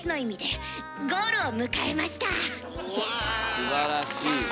すばらしい。